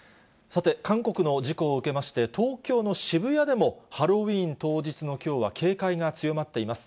さて、韓国の事故を受けまして、東京の渋谷でもハロウィーン当日のきょうは警戒が強まっています。